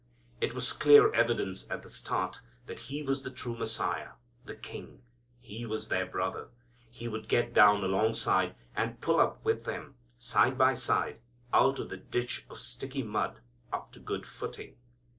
It was clear evidence at the start that He was the true Messiah, the King. He was their Brother. He would get down alongside, and pull up with them side by side out of the ditch of sticky mud up to good footing.